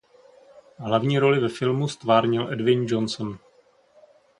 Hlavní roli ve filmu ztvárnil Edwin Johnson.